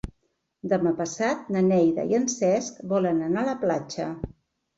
Demà passat na Neida i en Cesc volen anar a la platja.